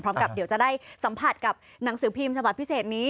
พร้อมกับเดี๋ยวจะได้สัมผัสกับหนังสือพิมพ์สภาพพิเศษนี้